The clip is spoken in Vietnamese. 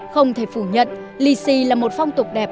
không thể phủ nhận lì xì là một phong tục đẹp